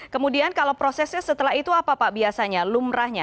kemudian kalau prosesnya setelah itu apa pak biasanya lumrahnya